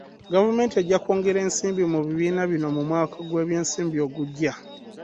Gavumenti ejja kwongera ensimbi mu bibiina bino mu mwaka gw'ebyensimbi ogujja.